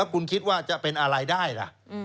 คุณคิดว่าจะเป็นอะไรได้ล่ะ